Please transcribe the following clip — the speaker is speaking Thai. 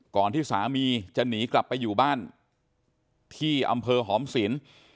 ที่สามีจะหนีกลับไปอยู่บ้านที่อำเภอหอมศิลป์